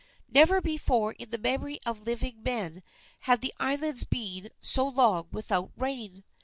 Never before in the memory of living men had the islands been so long without rain.